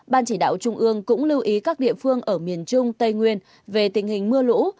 ban chỉ đạo trung ương cũng lưu ý các địa phương ở miền trung tây nguyên về tình hình mưa lũ